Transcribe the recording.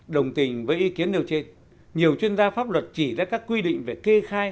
đồng tình với ý kiến nêu trên nhiều chuyên gia pháp luật chỉ ra các quy định về kê khai